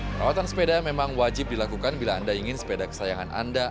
perawatan sepeda memang wajib dilakukan bila anda ingin sepeda kesayangan anda